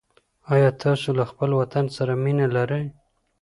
آیا تاسو له خپل وطن سره مینه لرئ؟